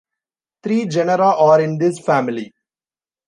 Three genera are in this family.